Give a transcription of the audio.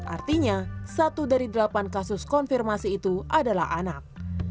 artinya satu dari delapan kasus konfirmasi itu adalah anak